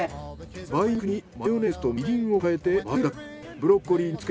梅肉にマヨネーズとみりんを加えて混ぜるだけ。